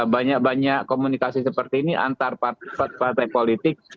banyak banyak komunikasi seperti ini antar partai politik